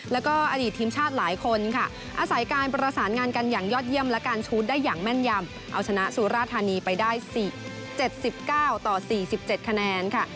แล้วก็อดีตทีมชาติหลายคนค่ะอาศัยการประสานงานกันอย่างยอดเยี่ยมและการชูตได้อย่างแม่นยำเอาชนะสุราธานีไปได้๗๙ต่อ๔๗คะแนนค่ะ